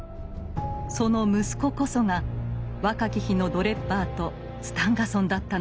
その息子こそが若き日のドレッバーとスタンガソンだったのです。